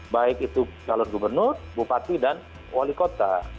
baik itu calon gubernur bupati dan wali kota